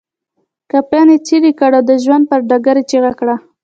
کفن يې څيري کړ او د ژوند پر ډګر يې چيغه کړه.